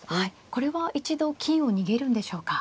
これは一度金を逃げるんでしょうか。